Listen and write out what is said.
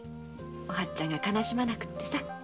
お初ちゃんが悲しまなくってさ。